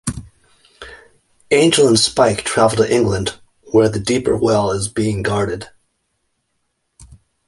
Angel and Spike travel to England where the Deeper Well is being guarded.